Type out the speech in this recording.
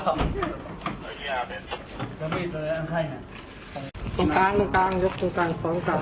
จะมีเตยอังไข่ไหมตรงกลางตรงกลางยกตรงกลางสองตรง